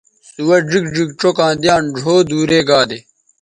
سوہ ڙیگ ڙیگ چوکاں دیان ڙھؤ دور گا دے